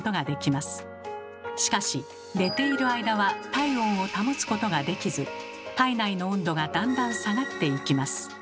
しかし寝ている間は体温を保つことができず体内の温度がだんだん下がっていきます。